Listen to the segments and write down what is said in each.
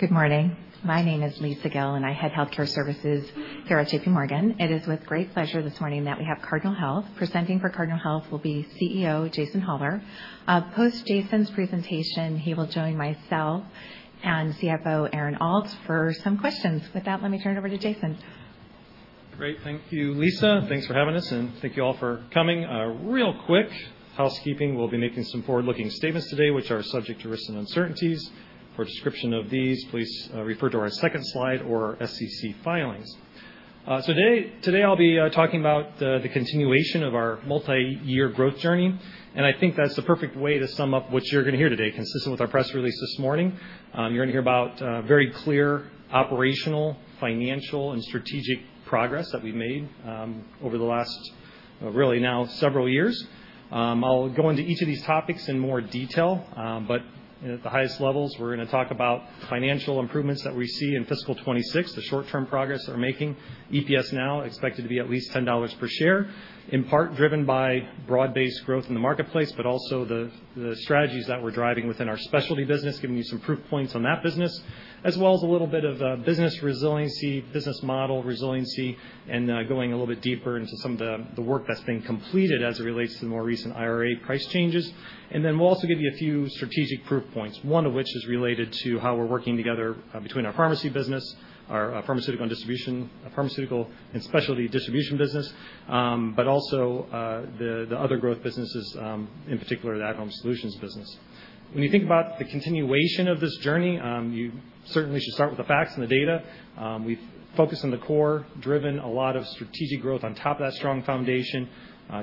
Good morning. My name is Lisa Gill, and I head healthcare services here at J.P. Morgan. It is with great pleasure this morning that we have Cardinal Health presenting. For Cardinal Health will be CEO Jason Hollar. Post Jason's presentation, he will join myself and CFO Aaron Alt for some questions. With that, let me turn it over to Jason. Great. Thank you, Lisa. Thanks for having us, and thank you all for coming. Real quick housekeeping: we'll be making some forward-looking statements today, which are subject to risks and uncertainties. For a description of these, please refer to our second slide or our SEC filings. So today I'll be talking about the continuation of our multi-year growth journey, and I think that's the perfect way to sum up what you're going to hear today, consistent with our press release this morning. You're going to hear about very clear operational, financial, and strategic progress that we've made over the last, really now, several years. I'll go into each of these topics in more detail, but at the highest levels, we're going to talk about financial improvements that we see in fiscal 2026, the short-term progress that we're making. EPS now expected to be at least $10 per share, in part driven by broad-based growth in the marketplace, but also the strategies that we're driving within our specialty business, giving you some proof points on that business, as well as a little bit of business resiliency, business model resiliency, and going a little bit deeper into some of the work that's been completed as it relates to the more recent IRA price changes, and then we'll also give you a few strategic proof points, one of which is related to how we're working together between our pharmacy business, our pharmaceutical and specialty distribution business, but also the other growth businesses, in particular the At-Home Solutions business. When you think about the continuation of this journey, you certainly should start with the facts and the data. We've focused on the core, driven a lot of strategic growth on top of that strong foundation,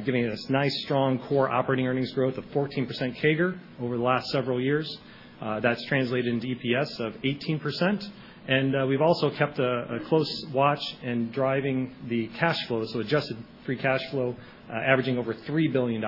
giving us nice, strong core operating earnings growth of 14% CAGR over the last several years. That's translated into EPS of 18%. And we've also kept a close watch in driving the cash flow, so adjusted free cash flow averaging over $3 billion.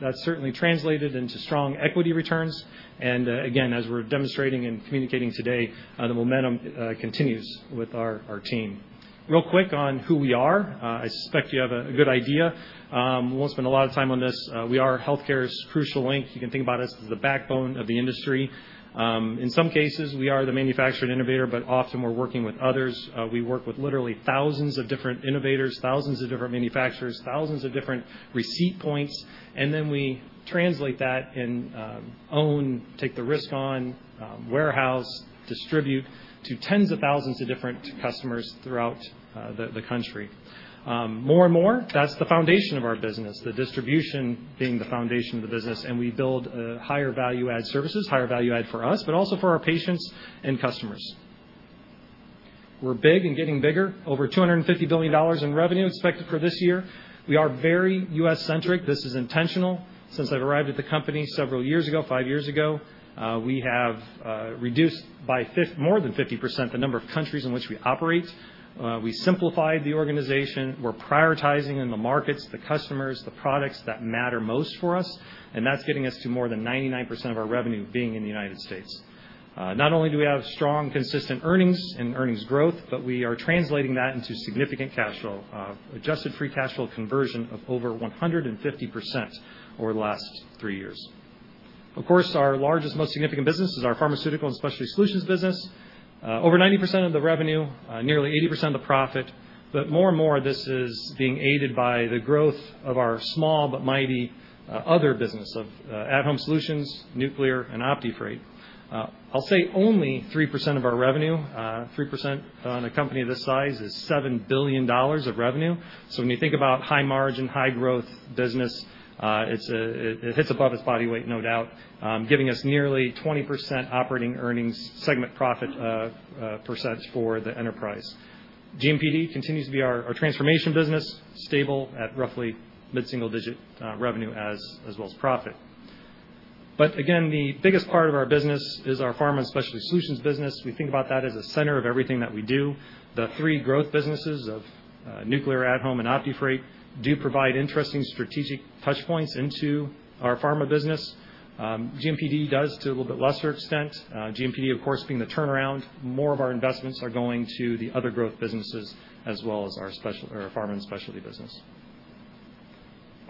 That's certainly translated into strong equity returns. And again, as we're demonstrating and communicating today, the momentum continues with our team. Real quick on who we are, I suspect you have a good idea. We won't spend a lot of time on this. We are healthcare's crucial link. You can think about us as the backbone of the industry. In some cases, we are the manufacturer and innovator, but often we're working with others. We work with literally thousands of different innovators, thousands of different manufacturers, thousands of different receipt points, and then we translate that into our own, take the risk on, warehouse, distribute to tens of thousands of different customers throughout the country. More and more, that's the foundation of our business, the distribution being the foundation of the business, and we build higher value-add services, higher value-add for us, but also for our patients and customers. We're big and getting bigger, over $250 billion in revenue expected for this year. We are very U.S.-centric. This is intentional. Since I've arrived at the company several years ago, five years ago, we have reduced by more than 50% the number of countries in which we operate. We simplified the organization. We're prioritizing in the markets, the customers, the products that matter most for us, and that's getting us to more than 99% of our revenue being in the United States. Not only do we have strong, consistent earnings and earnings growth, but we are translating that into significant cash flow, adjusted free cash flow conversion of over 150% over the last three years. Of course, our largest, most significant business is our Pharmaceutical and Specialty Solutions business. Over 90% of the revenue, nearly 80% of the profit, but more and more this is being aided by the growth of our small but mighty other business of At-Home solutions, Nuclear, and OptiFreight. I'll say only 3% of our revenue, 3% on a company of this size is $7 billion of revenue. So when you think about high-margin, high-growth business, it hits above its body weight, no doubt, giving us nearly 20% operating earnings segment profit percent for the enterprise. GMPD continues to be our transformation business, stable at roughly mid-single-digit revenue as well as profit. But again, the biggest part of our business is our Pharma and Specialty Solutions business. We think about that as a center of everything that we do. The three growth businesses of Nuclear, At-Home, and OptiFreight do provide interesting strategic touch-points into our pharma business. GMPD does to a little bit lesser extent. GMPD, of course, being the turnaround, more of our investments are going to the other growth businesses as well as our pharma and specialty business.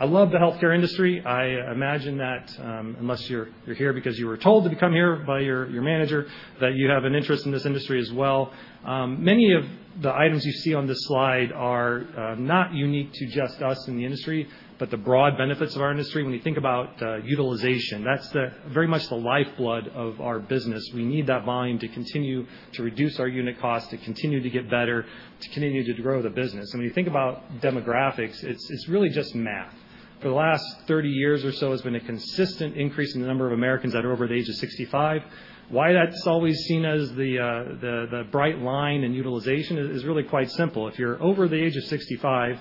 I love the healthcare industry. I imagine that unless you're here because you were told to come here by your manager, that you have an interest in this industry as well. Many of the items you see on this slide are not unique to just us in the industry, but the broad benefits of our industry. When you think about utilization, that's very much the lifeblood of our business. We need that volume to continue to reduce our unit cost, to continue to get better, to continue to grow the business. And when you think about demographics, it's really just math. For the last 30 years or so, there's been a consistent increase in the number of Americans that are over the age of 65. Why that's always seen as the bright line in utilization is really quite simple. If you're over the age of 65,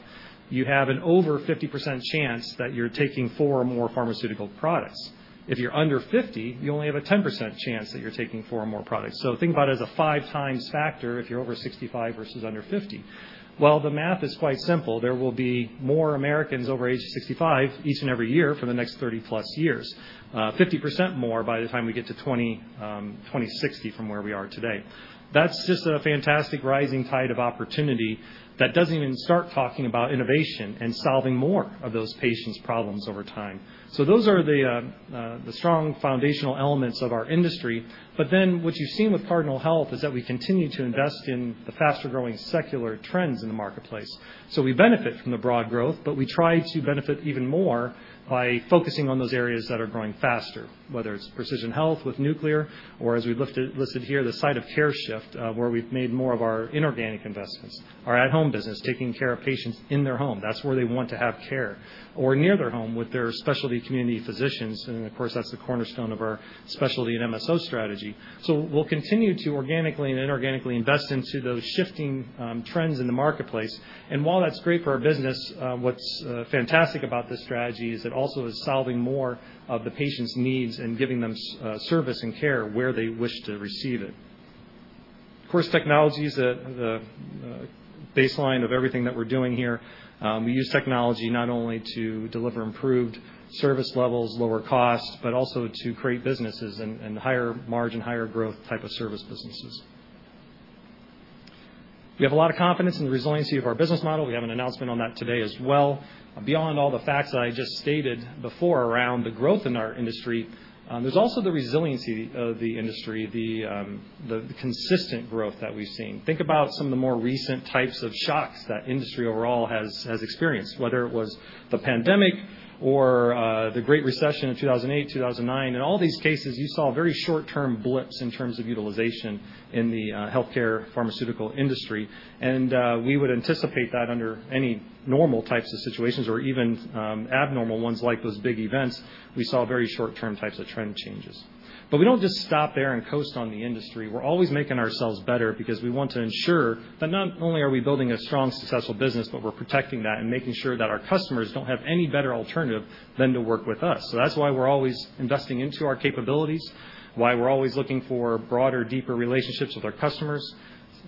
you have an over 50% chance that you're taking four or more pharmaceutical products. If you're under 50, you only have a 10% chance that you're taking four or more products. Think about it as a five-times factor if you're over 65 versus under 50. The math is quite simple. There will be more Americans over age 65 each and every year for the next 30-plus years, 50% more by the time we get to 2060 from where we are today. That's just a fantastic rising tide of opportunity that doesn't even start talking about innovation and solving more of those patients' problems over time. Those are the strong foundational elements of our industry. What you've seen with Cardinal Health is that we continue to invest in the faster-growing secular trends in the marketplace. We benefit from the broad growth, but we try to benefit even more by focusing on those areas that are growing faster, whether it's precision health with nuclear or, as we've listed here, the site-of-care shift where we've made more of our inorganic investments, our at-home business, taking care of patients in their home. That's where they want to have care or near their home with their specialty community physicians. And of course, that's the cornerstone of our specialty and MSO strategy. We will continue to organically and inorganically invest into those shifting trends in the marketplace. And while that's great for our business, what's fantastic about this strategy is it also is solving more of the patients' needs and giving them service and care where they wish to receive it. Of course, technology is the baseline of everything that we're doing here. We use technology not only to deliver improved service levels, lower costs, but also to create businesses and higher-margin, higher-growth type of service businesses. We have a lot of confidence in the resiliency of our business model. We have an announcement on that today as well. Beyond all the facts that I just stated before around the growth in our industry, there's also the resiliency of the industry, the consistent growth that we've seen. Think about some of the more recent types of shocks that industry overall has experienced, whether it was the pandemic or the Great Recession of 2008, 2009. In all these cases, you saw very short-term blips in terms of utilization in the healthcare pharmaceutical industry, and we would anticipate that under any normal types of situations or even abnormal ones like those big events, we saw very short-term types of trend changes. But we don't just stop there and coast on the industry. We're always making ourselves better because we want to ensure that not only are we building a strong, successful business, but we're protecting that and making sure that our customers don't have any better alternative than to work with us. So that's why we're always investing into our capabilities, why we're always looking for broader, deeper relationships with our customers.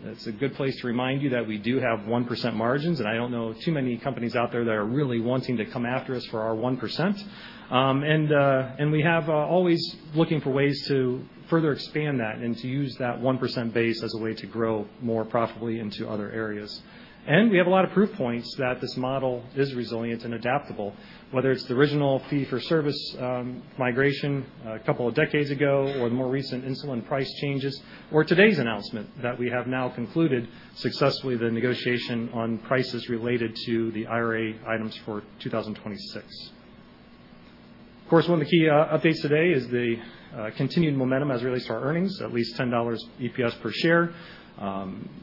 It's a good place to remind you that we do have 1% margins, and I don't know too many companies out there that are really wanting to come after us for our 1%. And we have always looking for ways to further expand that and to use that 1% base as a way to grow more profitably into other areas. We have a lot of proof points that this model is resilient and adaptable, whether it's the original fee-for-service migration a couple of decades ago or the more recent insulin price changes or today's announcement that we have now concluded successfully the negotiation on prices related to the IRA items for 2026. Of course, one of the key updates today is the continued momentum as it relates to our earnings, at least $10 EPS per share.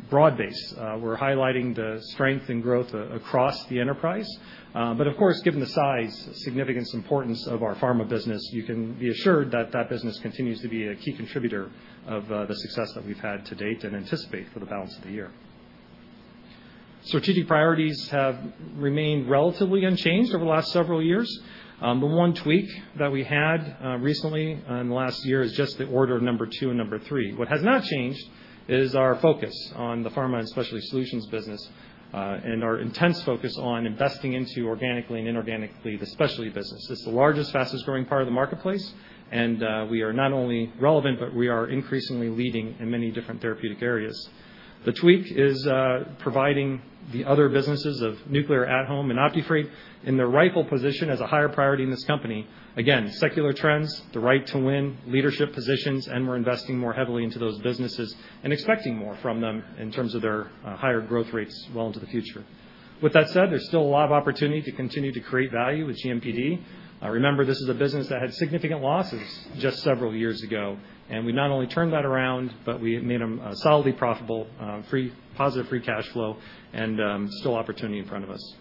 Broad-based, we're highlighting the strength and growth across the enterprise. Of course, given the size, significance, and importance of our pharma business, you can be assured that that business continues to be a key contributor of the success that we've had to date and anticipate for the balance of the year. Strategic priorities have remained relatively unchanged over the last several years. The one tweak that we had recently in the last year is just the order of number two and number three. What has not changed is our focus on the pharma and specialty solutions business and our intense focus on investing into organically and inorganically the specialty business. It's the largest, fastest-growing part of the marketplace, and we are not only relevant, but we are increasingly leading in many different therapeutic areas. The tweak is providing the other businesses of nuclear, at-home, and OptiFreight in the rifle position as a higher priority in this company. Again, secular trends, the right to win, leadership positions, and we're investing more heavily into those businesses and expecting more from them in terms of their higher growth rates well into the future. With that said, there's still a lot of opportunity to continue to create value with GMPD. Remember, this is a business that had significant losses just several years ago, and we not only turned that around, but we made them solidly profitable, positive free cash flow, and still opportunity in front of us.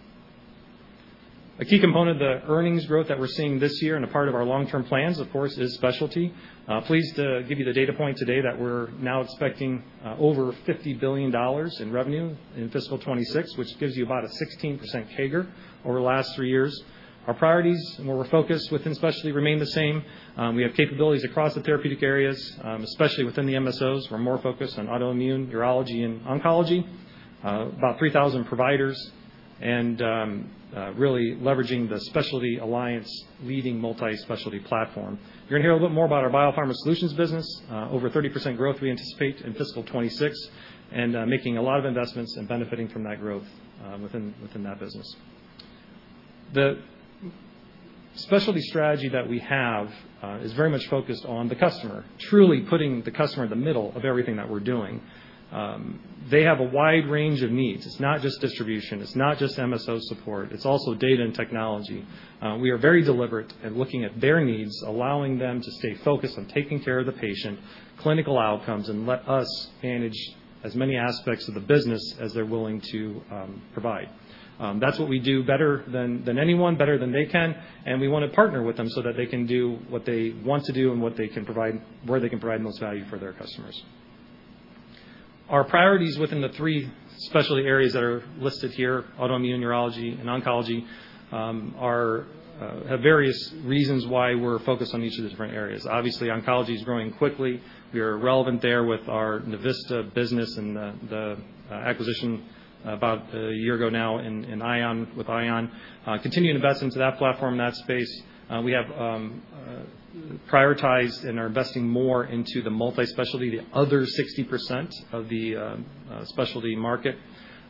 A key component of the earnings growth that we're seeing this year and a part of our long-term plans, of course, is specialty. Pleased to give you the data point today that we're now expecting over $50 billion in revenue in fiscal 26, which gives you about a 16% CAGR over the last three years. Our priorities and where we're focused within specialty remain the same. We have capabilities across the therapeutic areas, especially within the MSOs. We're more focused on autoimmune, urology, and oncology, about 3,000 providers, and really leveraging the Specialty Alliance leading multi-specialty platform. You're going to hear a little bit more about our Biopharma Solutions business, over 30% growth we anticipate in fiscal 2026, and making a lot of investments and benefiting from that growth within that business. The specialty strategy that we have is very much focused on the customer, truly putting the customer in the middle of everything that we're doing. They have a wide range of needs. It's not just distribution. It's not just MSO support. It's also data and technology. We are very deliberate in looking at their needs, allowing them to stay focused on taking care of the patient, clinical outcomes, and let us manage as many aspects of the business as they're willing to provide. That's what we do better than anyone, better than they can, and we want to partner with them so that they can do what they want to do and where they can provide most value for their customers. Our priorities within the three specialty areas that are listed here, autoimmune, urology, and oncology, have various reasons why we're focused on each of the different areas. Obviously, oncology is growing quickly. We are relevant there with our Navista business and the acquisition about a year ago now with ION. Continuing to invest into that platform, that space, we have prioritized and are investing more into the multi-specialty, the other 60% of the specialty market.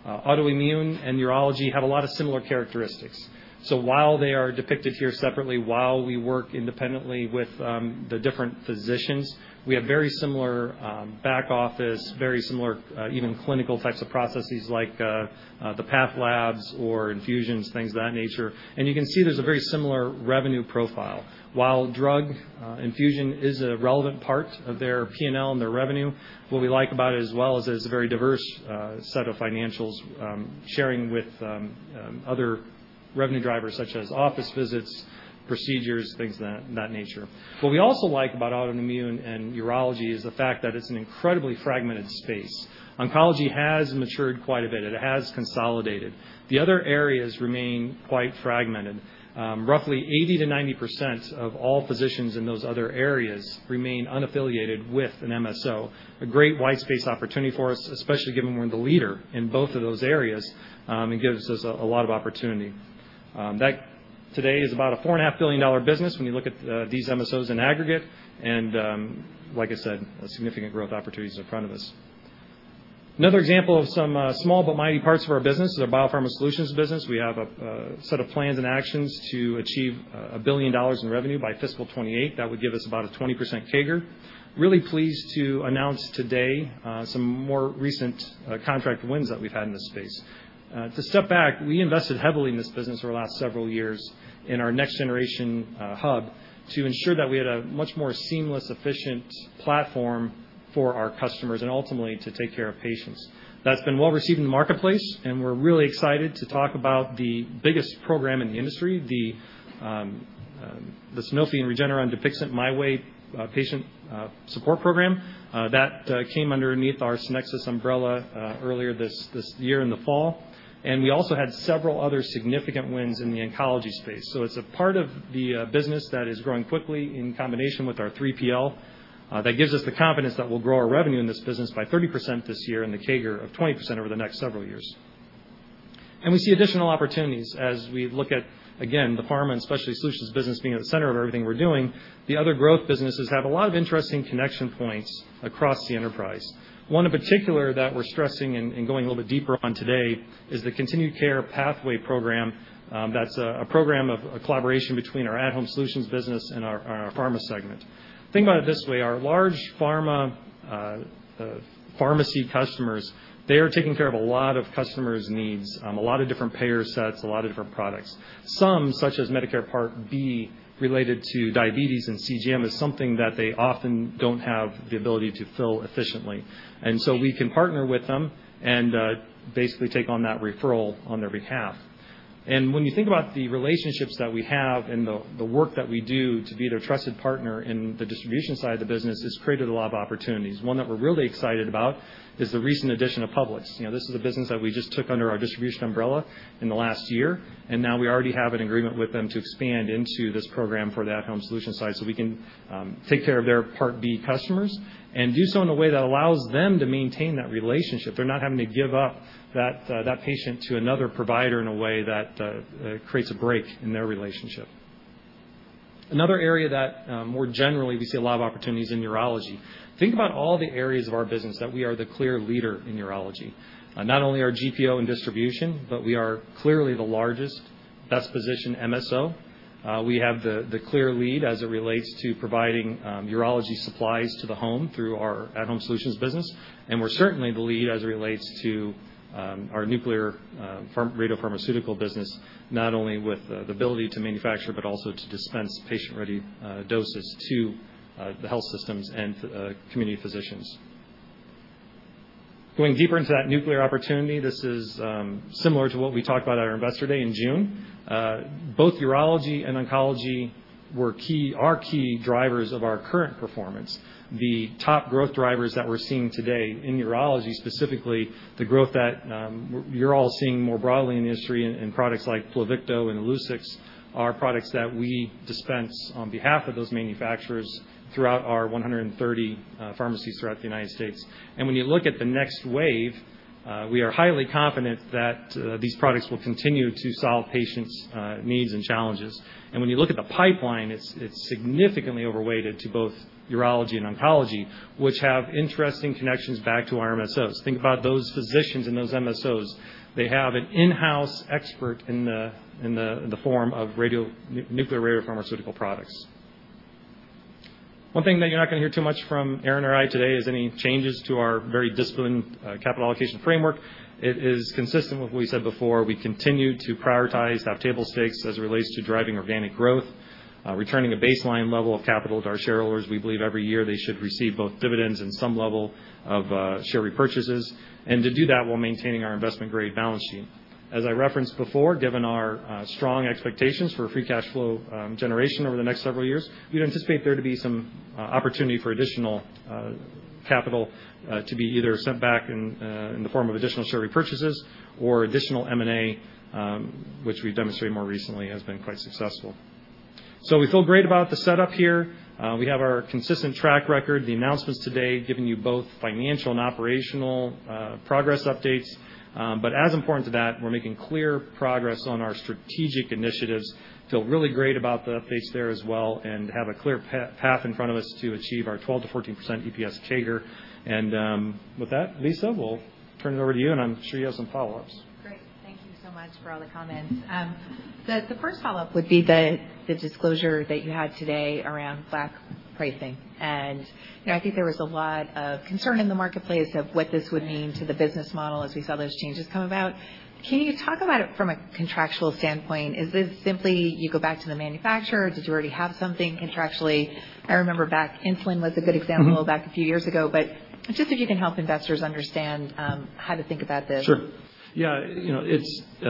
Autoimmune and urology have a lot of similar characteristics. While they are depicted here separately, while we work independently with the different physicians, we have very similar back office, very similar even clinical types of processes like the path labs or infusions, things of that nature. And you can see there's a very similar revenue profile. While drug infusion is a relevant part of their P&L and their revenue, what we like about it as well is it's a very diverse set of financials sharing with other revenue drivers such as office visits, procedures, things of that nature. What we also like about autoimmune and urology is the fact that it's an incredibly fragmented space. Oncology has matured quite a bit. It has consolidated. The other areas remain quite fragmented. Roughly 80%-90% of all physicians in those other areas remain unaffiliated with an MSO. A great white space opportunity for us, especially given we're the leader in both of those areas and gives us a lot of opportunity. That today is about a $4.5 billion business when you look at these MSOs in aggregate. And like I said, significant growth opportunities in front of us. Another example of some small but mighty parts of our business is our biopharma solutions business. We have a set of plans and actions to achieve $1 billion in revenue by fiscal 2028. That would give us about a 20% CAGR. Really pleased to announce today some more recent contract wins that we've had in this space. To step back, we invested heavily in this business over the last several years in our next-generation hub to ensure that we had a much more seamless, efficient platform for our customers and ultimately to take care of patients. That's been well received in the marketplace, and we're really excited to talk about the biggest program in the industry, the Sanofi and Regeneron Dupixent MyWay patient support program. That came underneath our Sonexus umbrella earlier this year in the fall, and we also had several other significant wins in the oncology space, so it's a part of the business that is growing quickly in combination with our 3PL that gives us the confidence that we'll grow our revenue in this business by 30% this year and the CAGR of 20% over the next several years. And we see additional opportunities as we look at, again, the pharma and specialty solutions business being at the center of everything we're doing. The other growth businesses have a lot of interesting connection points across the enterprise. One in particular that we're stressing and going a little bit deeper on today is the continued care pathway program. That's a program of a collaboration between our At-Home Solutions business and our pharma segment. Think about it this way. Our large pharmacy customers, they are taking care of a lot of customers' needs, a lot of different payer sets, a lot of different products. Some, such as Medicare Part B related to diabetes and CGM, is something that they often don't have the ability to fill efficiently. And so we can partner with them and basically take on that referral on their behalf. And when you think about the relationships that we have and the work that we do to be their trusted partner in the distribution side of the business, it's created a lot of opportunities. One that we're really excited about is the recent addition of Publix. This is a business that we just took under our distribution umbrella in the last year, and now we already have an agreement with them to expand into this program for the at-home solution side so we can take care of their Part B customers and do so in a way that allows them to maintain that relationship. They're not having to give up that patient to another provider in a way that creates a break in their relationship. Another area that more generally we see a lot of opportunities in urology. Think about all the areas of our business that we are the clear leader in urology. Not only our GPO and distribution, but we are clearly the largest, best-positioned MSO. We have the clear lead as it relates to providing urology supplies to the home through our at-home solutions business. We're certainly the lead as it relates to our nuclear radiopharmaceutical business, not only with the ability to manufacture but also to dispense patient-ready doses to the health systems and community physicians. Going deeper into that nuclear opportunity, this is similar to what we talked about at our investor day in June. Both urology and oncology are key drivers of our current performance. The top growth drivers that we're seeing today in urology, specifically the growth that you're all seeing more broadly in the industry and products like Pluvicto and Illuccix are products that we dispense on behalf of those manufacturers throughout our 130 pharmacies throughout the United States. When you look at the next wave, we are highly confident that these products will continue to solve patients' needs and challenges. And when you look at the pipeline, it's significantly overweighted to both urology and oncology, which have interesting connections back to our MSOs. Think about those physicians and those MSOs. They have an in-house expert in the form of nuclear radiopharmaceutical products. One thing that you're not going to hear too much from Aaron or I today is any changes to our very disciplined capital allocation framework. It is consistent with what we said before. We continue to prioritize, have table stakes as it relates to driving organic growth, returning a baseline level of capital to our shareholders. We believe every year they should receive both dividends and some level of share repurchases. And to do that, we're maintaining our investment-grade balance sheet. As I referenced before, given our strong expectations for free cash flow generation over the next several years, we anticipate there to be some opportunity for additional capital to be either sent back in the form of additional share repurchases or additional M&A, which we've demonstrated more recently has been quite successful. So we feel great about the setup here. We have our consistent track record, the announcements today giving you both financial and operational progress updates. But as important to that, we're making clear progress on our strategic initiatives. Feel really great about the updates there as well and have a clear path in front of us to achieve our 12%-14% EPS CAGR, and with that, Lisa, we'll turn it over to you, and I'm sure you have some follow-ups. Great. Thank you so much for all the comments. The first follow-up would be the disclosure that you had today around flat pricing. And I think there was a lot of concern in the marketplace of what this would mean to the business model as we saw those changes come about. Can you talk about it from a contractual standpoint? Is this simply you go back to the manufacturer? Did you already have something contractually? I remember back, insulin was a good example back a few years ago. But just if you can help investors understand how to think about this. Sure. Yeah.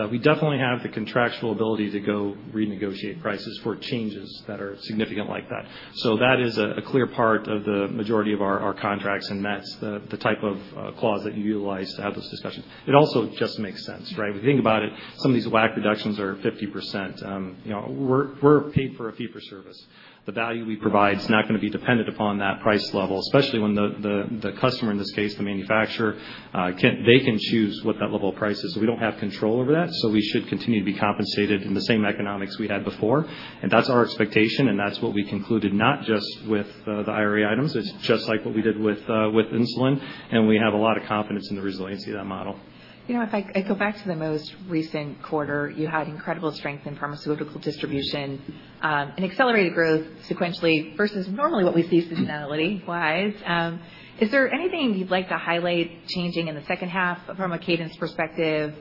We definitely have the contractual ability to go renegotiate prices for changes that are significant like that. So that is a clear part of the majority of our contracts and that's the type of clause that you utilize to have those discussions. It also just makes sense, right? If you think about it, some of these WAC reductions are 50%. We're paid for a fee for service. The value we provide is not going to be dependent upon that price level, especially when the customer in this case, the manufacturer, they can choose what that level of price is. So we don't have control over that. So we should continue to be compensated in the same economics we had before. And that's our expectation, and that's what we concluded not just with the IRA items. It's just like what we did with insulin. We have a lot of confidence in the resiliency of that model. If I go back to the most recent quarter, you had incredible strength in pharmaceutical distribution and accelerated growth sequentially versus normally what we see seasonality-wise. Is there anything you'd like to highlight changing in the second half from a cadence perspective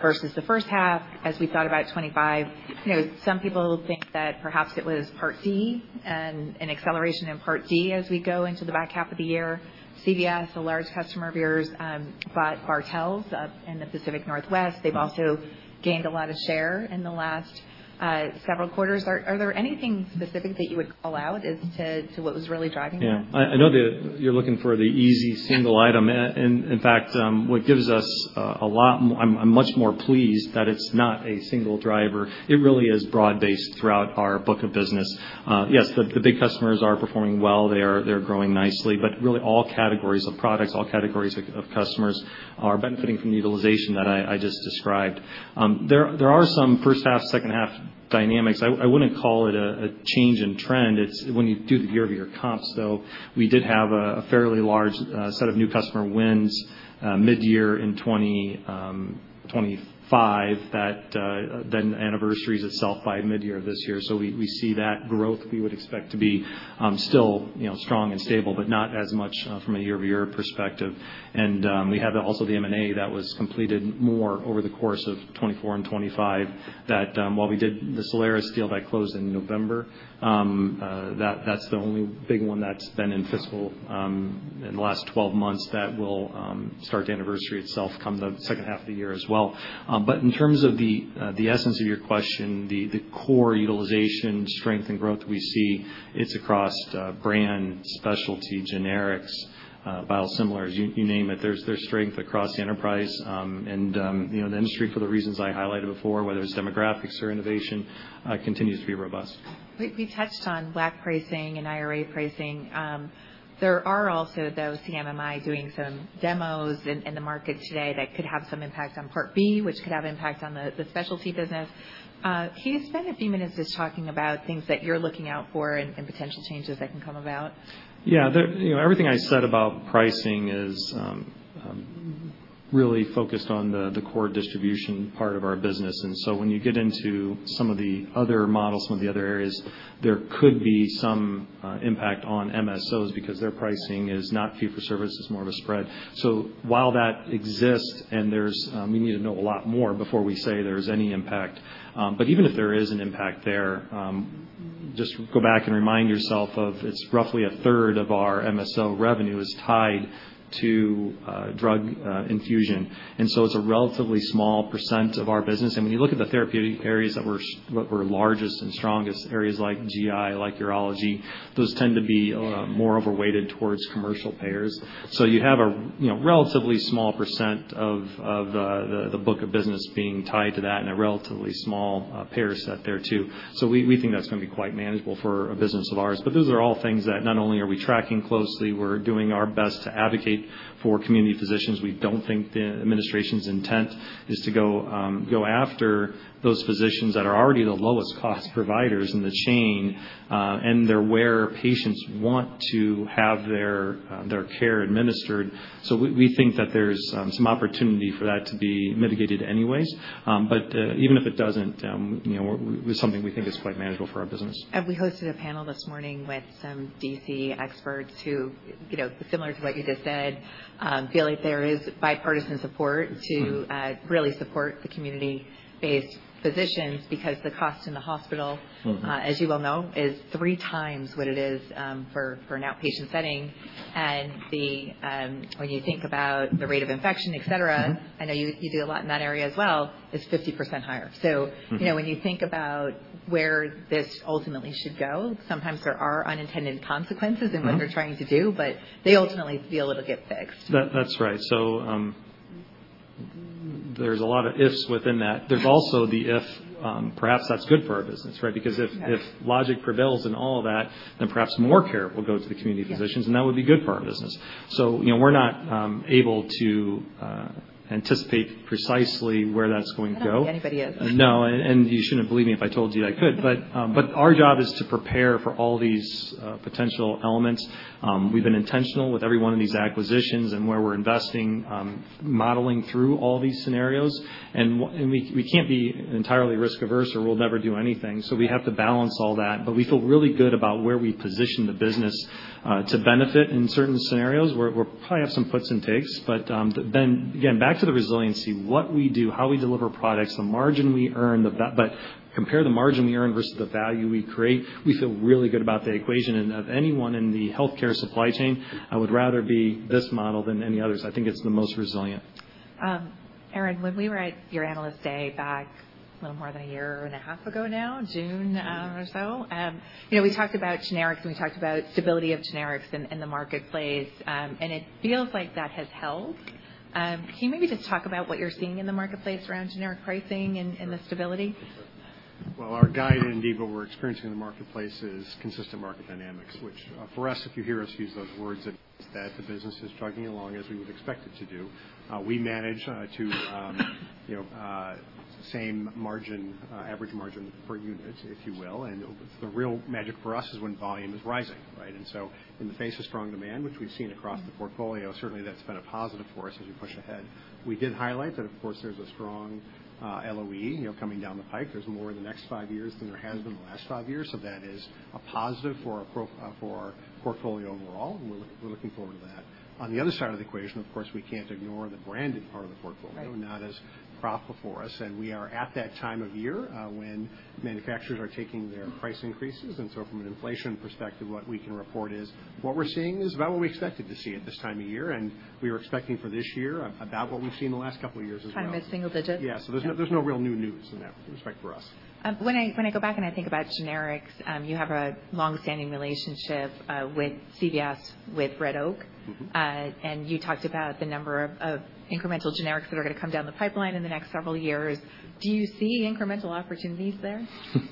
versus the first half as we thought about 2025? Some people think that perhaps it was Part D and an acceleration in Part D as we go into the back half of the year. CVS, a large customer of yours, bought Bartell up in the Pacific Northwest. They've also gained a lot of share in the last several quarters. Are there anything specific that you would call out as to what was really driving that? Yeah. I know you're looking for the easy single item. In fact, what gives us a lot. I'm much more pleased that it's not a single driver. It really is broad-based throughout our book of business. Yes, the big customers are performing well. They're growing nicely. But really, all categories of products, all categories of customers are benefiting from the utilization that I just described. There are some first-half, second-half dynamics. I wouldn't call it a change in trend. It's when you do the year-over-year comps, though. We did have a fairly large set of new customer wins mid-year in 2025 that then anniversaries itself by mid-year this year. So we see that growth we would expect to be still strong and stable, but not as much from a year-over-year perspective. And we have also the M&A that was completed moreover the course of 2024 and 2025 that while we did the ION deal that closed in November, that's the only big one that's been in fiscal in the last 12 months that will start the anniversary itself come the second half of the year as well. But in terms of the essence of your question, the core utilization, strength, and growth we see, it's across brand, specialty, generics, biosimilars, you name it. There's strength across the enterprise. And the industry, for the reasons I highlighted before, whether it's demographics or innovation, continues to be robust. We touched on WAC pricing and IRA pricing. There are also, though, CMMI doing some demos in the market today that could have some impact on Part B, which could have impact on the specialty business. Can you spend a few minutes just talking about things that you're looking out for and potential changes that can come about? Yeah. Everything I said about pricing is really focused on the core distribution part of our business. And so when you get into some of the other models, some of the other areas, there could be some impact on MSOs because their pricing is not fee-for-service. It's more of a spread. So while that exists and we need to know a lot more before we say there's any impact. But even if there is an impact there, just go back and remind yourself of it's roughly a third of our MSO revenue is tied to drug infusion. And so it's a relatively small % of our business. And when you look at the therapeutic areas that were largest and strongest, areas like GI, like urology, those tend to be more overweighted towards commercial payers. You have a relatively small % of the book of business being tied to that and a relatively small payer set there too. So we think that's going to be quite manageable for a business of ours. But those are all things that not only are we tracking closely, we're doing our best to advocate for community physicians. We don't think the administration's intent is to go after those physicians that are already the lowest-cost providers in the chain, and they're where patients want to have their care administered. So we think that there's some opportunity for that to be mitigated anyways. But even if it doesn't, it was something we think is quite manageable for our business. We hosted a panel this morning with some DC experts who, similar to what you just said, feel like there is bipartisan support to really support the community-based physicians because the cost in the hospital, as you well know, is three times what it is for an outpatient setting. And when you think about the rate of infection, etc., I know you do a lot in that area as well, it's 50% higher. So when you think about where this ultimately should go, sometimes there are unintended consequences in what they're trying to do, but they ultimately feel it'll get fixed. That's right. So there's a lot of ifs within that. There's also the if perhaps that's good for our business, right? Because if logic prevails in all of that, then perhaps more care will go to the community physicians, and that would be good for our business. So we're not able to anticipate precisely where that's going to go. I don't think anybody is. No. And you shouldn't believe me if I told you I could. But our job is to prepare for all these potential elements. We've been intentional with every one of these acquisitions and where we're investing, modeling through all these scenarios. And we can't be entirely risk-averse or we'll never do anything. So we have to balance all that. But we feel really good about where we position the business to benefit in certain scenarios. We'll probably have some puts and takes. But then again, back to the resiliency, what we do, how we deliver products, the margin we earn, but compare the margin we earn versus the value we create, we feel really good about the equation. And of anyone in the healthcare supply chain, I would rather be this model than any others. I think it's the most resilient. Aaron, when we were at your analyst day back a little more than a year and a half ago now, June or so, we talked about generics and we talked about stability of generics in the marketplace. And it feels like that has held. Can you maybe just talk about what you're seeing in the marketplace around generic pricing and the stability? Our guide and even what we're experiencing in the marketplace is consistent market dynamics, which for us, if you hear us use those words, that the business is chugging along as we would expect it to do. We manage the same average margin per unit, if you will. The real magic for us is when volume is rising, right? In the face of strong demand, which we've seen across the portfolio, certainly that's been a positive for us as we push ahead. We did highlight that, of course, there's a strong LOE coming down the pike. There's more in the next five years than there has been the last five years, so that is a positive for our portfolio overall. We're looking forward to that. On the other side of the equation, of course, we can't ignore the branded part of the portfolio, not as profitable for us, and we are at that time of year when manufacturers are taking their price increases, and so from an inflation perspective, what we can report is what we're seeing is about what we expected to see at this time of year, and we were expecting for this year about what we've seen the last couple of years as well. Kind of a single digit. Yeah. So there's no real new news in that respect for us. When I go back and I think about generics, you have a long-standing relationship with CVS, with Red Oak. And you talked about the number of incremental generics that are going to come down the pipeline in the next several years. Do you see incremental opportunities there?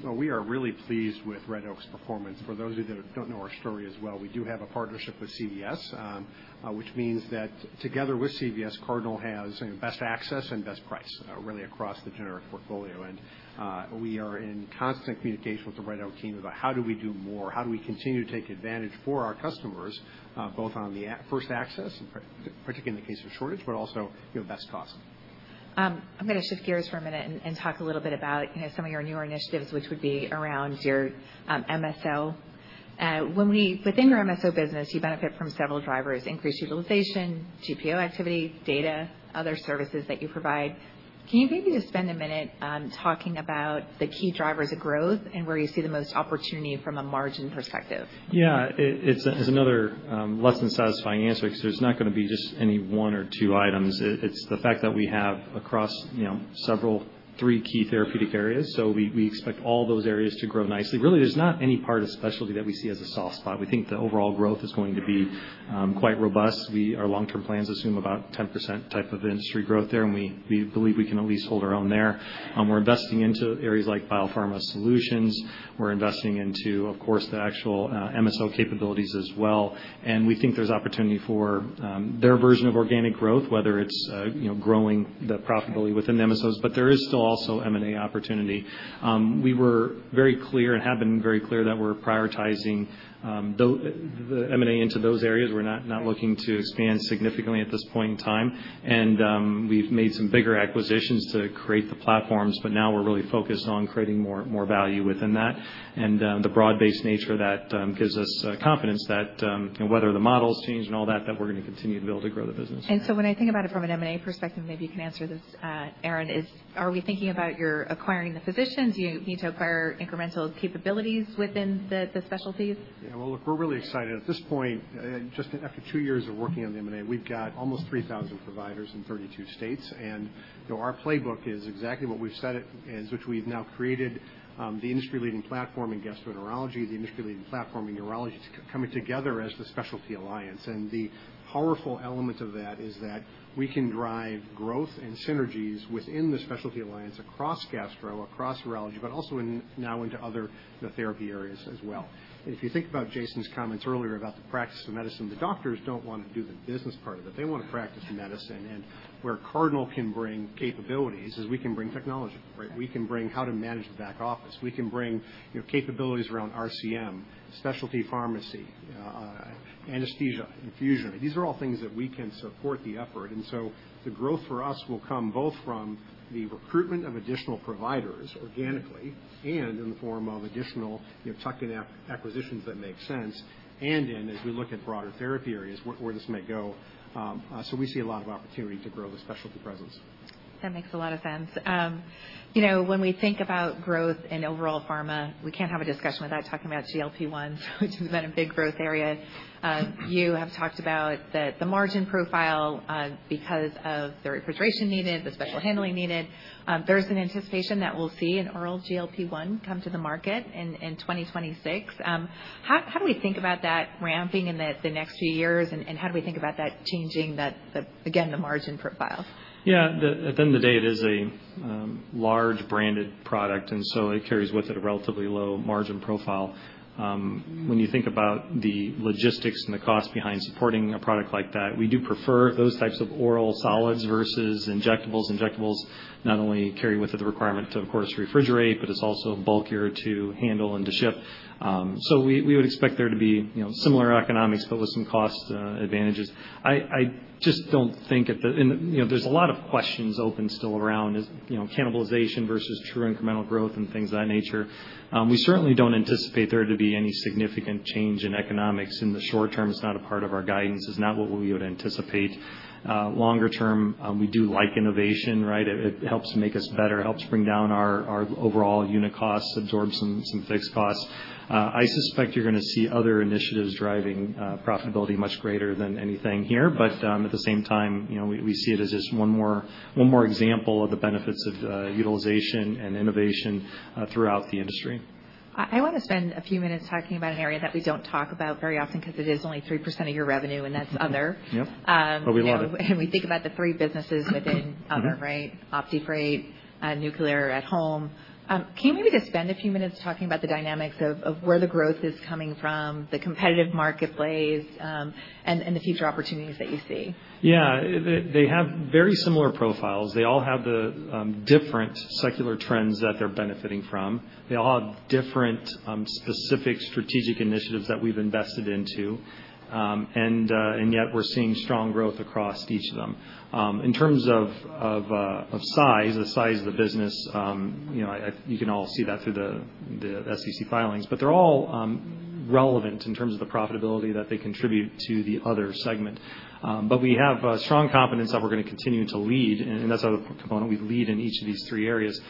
We are really pleased with Red Oak's performance. For those of you that don't know our story as well, we do have a partnership with CVS, which means that together with CVS, Cardinal has best access and best price really across the generic portfolio. We are in constant communication with the Red Oak team about how do we do more, how do we continue to take advantage for our customers, both on the first access, particularly in the case of shortage, but also best cost. I'm going to shift gears for a minute and talk a little bit about some of your newer initiatives, which would be around your MSO. Within your MSO business, you benefit from several drivers: increased utilization, GPO activity, data, other services that you provide. Can you maybe just spend a minute talking about the key drivers of growth and where you see the most opportunity from a margin perspective? Yeah. It's another less than satisfying answer because there's not going to be just any one or two items. It's the fact that we have across several three key therapeutic areas. So we expect all those areas to grow nicely. Really, there's not any part of specialty that we see as a soft spot. We think the overall growth is going to be quite robust. Our long-term plans assume about 10% type of industry growth there, and we believe we can at least hold our own there. We're investing into areas like Biopharma Solutions. We're investing into, of course, the actual MSO capabilities as well. And we think there's opportunity for their version of organic growth, whether it's growing the profitability within the MSOs. But there is still also M&A opportunity. We were very clear and have been very clear that we're prioritizing the M&A into those areas. We're not looking to expand significantly at this point in time, and we've made some bigger acquisitions to create the platforms, but now we're really focused on creating more value within that, and the broad-based nature of that gives us confidence that whether the models change and all that, that we're going to continue to be able to grow the business. When I think about it from an M&A perspective, maybe you can answer this, Aaron. Are we thinking about your acquiring the physicians? Do you need to acquire incremental capabilities within the specialties? Yeah, well, look, we're really excited. At this point, just after two years of working on the M&A, we've got almost 3,000 providers in 32 states, and our playbook is exactly what we've said, which we've now created: the industry-leading platform in gastroenterology, the industry-leading platform in urology coming together as the Specialty Alliance. The powerful element of that is that we can drive growth and synergies within the Specialty Alliance across gastro, across urology, but also now into other therapy areas as well. If you think about Jason's comments earlier about the practice of medicine, the doctors don't want to do the business part of it. They want to practice medicine. Where Cardinal can bring capabilities is we can bring technology, right? We can bring how to manage the back office. We can bring capabilities around RCM, specialty pharmacy, anesthesia, infusion. These are all things that we can support the effort. And so the growth for us will come both from the recruitment of additional providers organically and in the form of additional tuck-in acquisitions that make sense. And then as we look at broader therapy areas where this may go, so we see a lot of opportunity to grow the specialty presence. That makes a lot of sense. When we think about growth in overall pharma, we can't have a discussion without talking about GLP-1, which has been a big growth area. You have talked about the margin profile because of the refrigeration needed, the special handling needed. There's an anticipation that we'll see an oral GLP-1 come to the market in 2026. How do we think about that ramping in the next few years, and how do we think about that changing, again, the margin profile? Yeah. At the end of the day, it is a large branded product, and so it carries with it a relatively low margin profile. When you think about the logistics and the cost behind supporting a product like that, we do prefer those types of oral solids versus injectables. Injectables not only carry with it the requirement to, of course, refrigerate, but it's also bulkier to handle and to ship. So we would expect there to be similar economics, but with some cost advantages. I just don't think there's a lot of questions open still around cannibalization versus true incremental growth and things of that nature. We certainly don't anticipate there to be any significant change in economics in the short term. It's not a part of our guidance. It's not what we would anticipate longer term. We do like innovation, right? It helps make us better, helps bring down our overall unit costs, absorb some fixed costs. I suspect you're going to see other initiatives driving profitability much greater than anything here. But at the same time, we see it as just one more example of the benefits of utilization and innovation throughout the industry. I want to spend a few minutes talking about an area that we don't talk about very often because it is only 3% of your revenue, and that's other. Yep. But we love it. And we think about the three businesses within other, right? OptiFreight, Nuclear at Home. Can you maybe just spend a few minutes talking about the dynamics of where the growth is coming from, the competitive marketplace, and the future opportunities that you see? Yeah. They have very similar profiles. They all have the different secular trends that they're benefiting from. They all have different specific strategic initiatives that we've invested into. And yet we're seeing strong growth across each of them. In terms of size, the size of the business, you can all see that through the SEC filings. But they're all relevant in terms of the profitability that they contribute to the other segment. But we have strong confidence that we're going to continue to lead. And that's the component we lead in each of these three areas,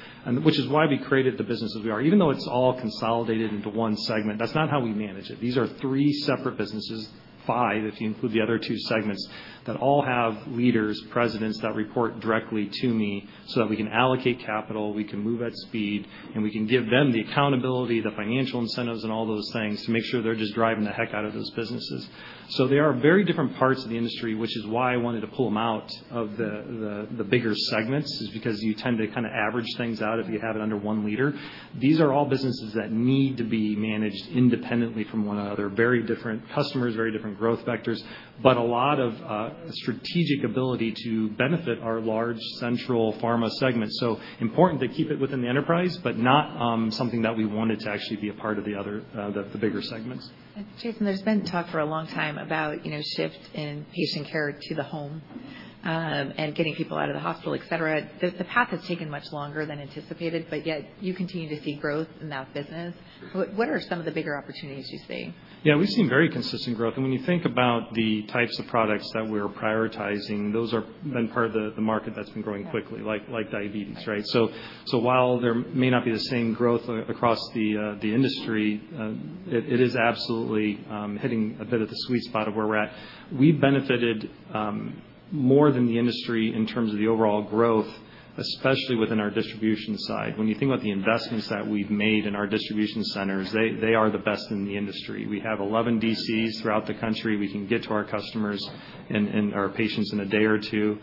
which is why we created the business as we are. Even though it's all consolidated into one segment, that's not how we manage it. These are three separate businesses, five, if you include the other two segments, that all have leaders, presidents that report directly to me so that we can allocate capital, we can move at speed, and we can give them the accountability, the financial incentives, and all those things to make sure they're just driving the heck out of those businesses. So they are very different parts of the industry, which is why I wanted to pull them out of the bigger segments, is because you tend to kind of average things out if you have it under one leader. These are all businesses that need to be managed independently from one another. Very different customers, very different growth vectors, but a lot of strategic ability to benefit our large central pharma segment. So important to keep it within the enterprise, but not something that we wanted to actually be a part of the bigger segments. Jason, there's been talk for a long time about shifts in patient care to the home and getting people out of the hospital, etc. The path has taken much longer than anticipated, but yet you continue to see growth in that business. What are some of the bigger opportunities you see? Yeah. We've seen very consistent growth. And when you think about the types of products that we're prioritizing, those have been part of the market that's been growing quickly, like diabetes, right? So while there may not be the same growth across the industry, it is absolutely hitting a bit at the sweet spot of where we're at. We've benefited more than the industry in terms of the overall growth, especially within our distribution side. When you think about the investments that we've made in our distribution centers, they are the best in the industry. We have 11 DCs throughout the country. We can get to our customers and our patients in a day or two.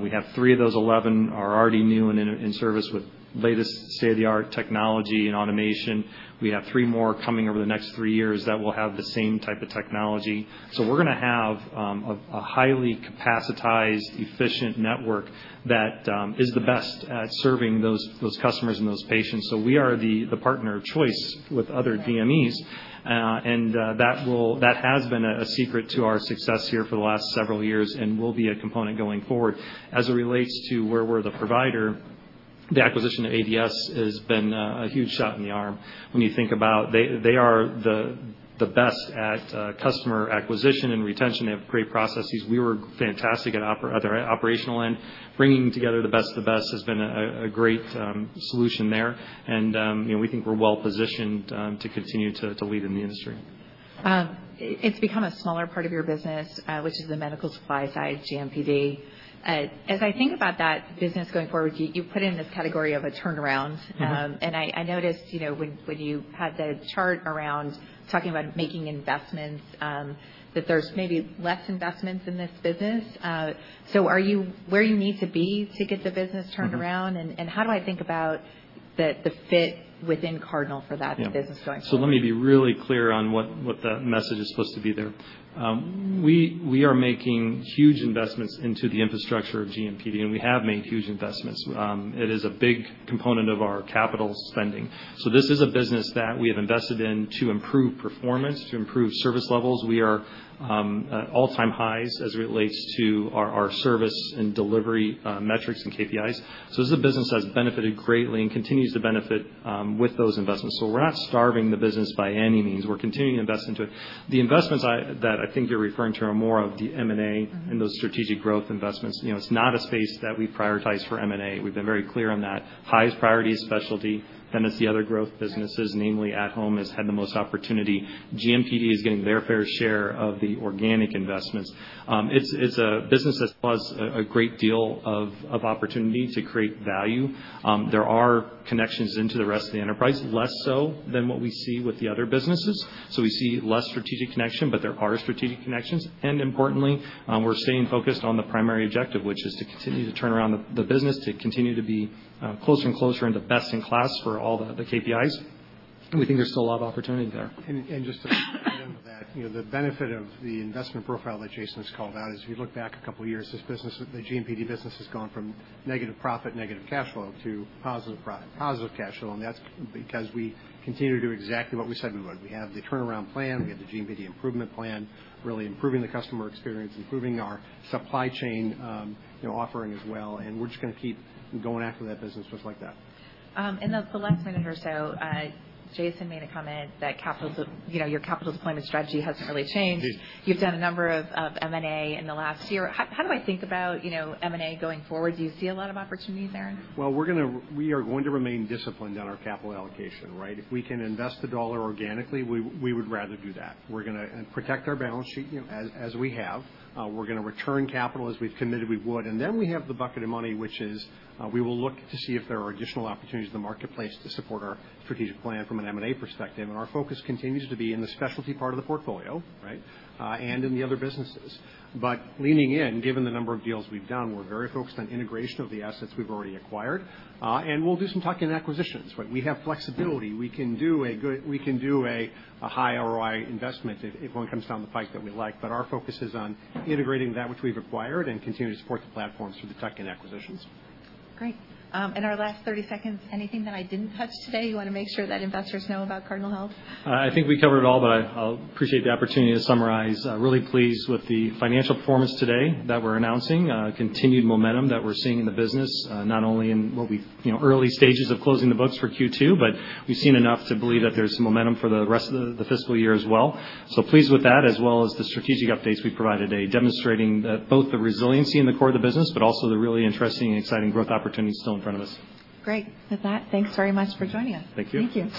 We have three of those 11 are already new and in service with latest state-of-the-art technology and automation. We have three more coming over the next three years that will have the same type of technology. So we're going to have a highly capacitated, efficient network that is the best at serving those customers and those patients. So we are the partner of choice with other DMEs. And that has been a secret to our success here for the last several years and will be a component going forward. As it relates to where we're the provider, the acquisition of ADS has been a huge shot in the arm. When you think about they are the best at customer acquisition and retention, they have great processes. We were fantastic at the operational end. Bringing together the best of the best has been a great solution there. And we think we're well-positioned to continue to lead in the industry. It's become a smaller part of your business, which is the medical supply side, GMPD. As I think about that business going forward, you put it in this category of a turnaround. And I noticed when you had the chart around talking about making investments, that there's maybe less investments in this business. So where you need to be to get the business turned around? And how do I think about the fit within Cardinal for that business going forward? So let me be really clear on what the message is supposed to be there. We are making huge investments into the infrastructure of GMPD, and we have made huge investments. It is a big component of our capital spending. So this is a business that we have invested in to improve performance, to improve service levels. We are at all-time highs as it relates to our service and delivery metrics and KPIs. So this is a business that has benefited greatly and continues to benefit with those investments. So we're not starving the business by any means. We're continuing to invest into it. The investments that I think you're referring to are more of the M&A and those strategic growth investments. It's not a space that we've prioritized for M&A. We've been very clear on that. Highest priority is specialty. Then it's the other growth businesses, namely at home has had the most opportunity. GMPD is getting their fair share of the organic investments. It's a business that still has a great deal of opportunity to create value. There are connections into the rest of the enterprise, less so than what we see with the other businesses. So we see less strategic connection, but there are strategic connections. And importantly, we're staying focused on the primary objective, which is to continue to turn around the business, to continue to be closer and closer and the best in class for all the KPIs. We think there's still a lot of opportunity there. Just to add on to that, the benefit of the investment profile that Jason has called out is if you look back a couple of years, this business, the GMPD business has gone from negative profit, negative cash flow to positive cash flow. That's because we continue to do exactly what we said we would. We have the turnaround plan. We have the GMPD improvement plan, really improving the customer experience, improving our supply chain offering as well. We're just going to keep going after that business just like that. In the last minute or so, Jason made a comment that your capital deployment strategy hasn't really changed. You've done a number of M&A in the last year. How do I think about M&A going forward? Do you see a lot of opportunities, Aaron? We are going to remain disciplined on our capital allocation, right? If we can invest the dollar organically, we would rather do that. We're going to protect our balance sheet as we have. We're going to return capital as we've committed we would. And then we have the bucket of money, which is we will look to see if there are additional opportunities in the marketplace to support our strategic plan from an M&A perspective. And our focus continues to be in the specialty part of the portfolio, right, and in the other businesses. But leaning in, given the number of deals we've done, we're very focused on integration of the assets we've already acquired. And we'll do some tuck-in acquisitions, right? We have flexibility. We can do a high ROI investment if one comes down the pike that we like. But our focus is on integrating that which we've acquired and continuing to support the platforms through the tuck-in acquisitions. Great. In our last 30 seconds, anything that I didn't touch today you want to make sure that investors know about Cardinal Health? I think we covered it all, but I appreciate the opportunity to summarize. Really pleased with the financial performance today that we're announcing, continued momentum that we're seeing in the business, not only in the early stages of closing the books for Q2, but we've seen enough to believe that there's some momentum for the rest of the fiscal year as well. So pleased with that, as well as the strategic updates we provided today, demonstrating both the resiliency in the core of the business, but also the really interesting and exciting growth opportunities still in front of us. Great. With that, thanks very much for joining us. Thank you. Thank you.